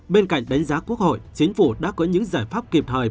bên cạnh đánh giá quốc hội chính phủ đã có những giải pháp kịp thời